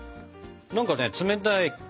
何かね冷たい。